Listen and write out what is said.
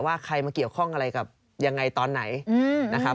ใครมาเกี่ยวข้องอะไรกับยังไงตอนไหนนะครับ